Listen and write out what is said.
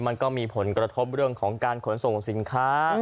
มันก็มีผลกระทบเรื่องของการขนส่งสินค้า